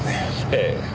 ええ。